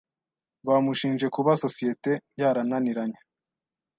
Bamushinje kuba sosiyete yarananiranye.